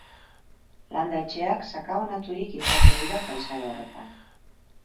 Landa-etxeak sakabanaturik izaten dira paisaia horretan.